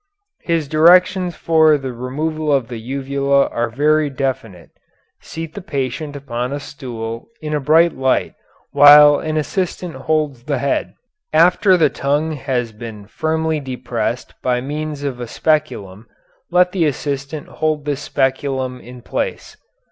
His directions for the removal of the uvula are very definite. Seat the patient upon a stool in a bright light while an assistant holds the head; after the tongue has been firmly depressed by means of a speculum let the assistant hold this speculum in place.